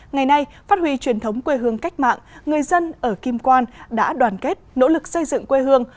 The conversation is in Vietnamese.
ngày nay phát huy truyền thống quê hương cách mạng người dân ở kim quan đã đoàn kết nỗ lực xây dựng quê hương